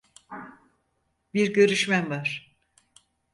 Bir görüşmem var.